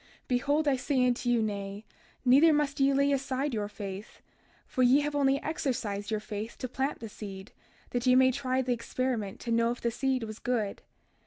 32:36 Behold I say unto you, Nay; neither must ye lay aside your faith, for ye have only exercised your faith to plant the seed that ye might try the experiment to know if the seed was good.